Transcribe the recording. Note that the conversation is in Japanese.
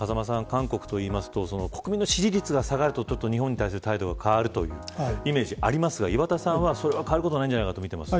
韓国というと国民の支持率が下がると日本に対する態度が変わるイメージがありますが岩田さんは、変わることはないんじゃないかと見ています。